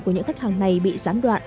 của những khách hàng này bị gián đoạn